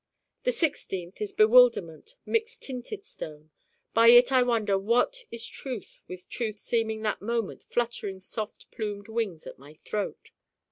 the sixteenth is Bewilderment, mixed tinted stone by it I wonder what is truth with truth seeming that moment fluttering soft plumed wings at my throat.